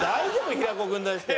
平子君出して。